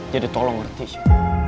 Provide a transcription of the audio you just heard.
jadi tolong berhenti sya